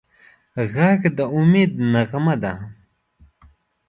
غږ د امید نغمه ده